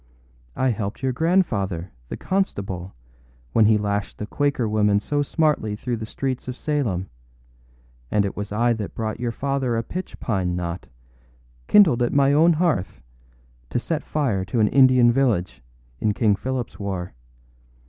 I helped your grandfather, the constable, when he lashed the Quaker woman so smartly through the streets of Salem; and it was I that brought your father a pitch pine knot, kindled at my own hearth, to set fire to an Indian village, in King Philipâs war.